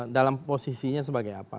dalam posisinya sebagai apa